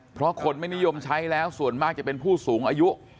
เพราะคนไม่นิยมใช้แล้วส่วนมากจะเป็นผู้สูงอายุ